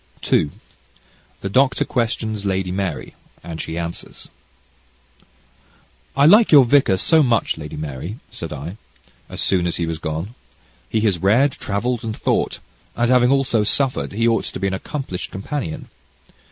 CHAPTER II The Doctor Questions Lady Mary and She Answers "I like your vicar so much, Lady Mary," said I, as soon as he was gone. "He has read, travelled, and thought, and having also suffered, he ought to be an accomplished companion."